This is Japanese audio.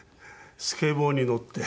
スケボーに乗って。